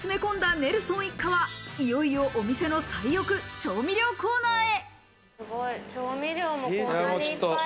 ネルソン一家は、いよいよお店の最奥、調味料コーナーへ。